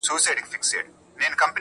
پیشکش = وړاندېینه، وړاندې کوونه